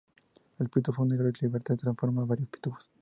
El pitufo negro se libera y transforma a varios pitufos.